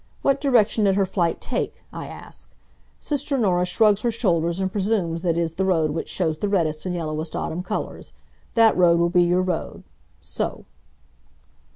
What direction did her flight take? I ask. Sister Norah shrugs her shoulders and presumes that it is the road which shows the reddest and yellowest autumn colors. That road will be your road. So!"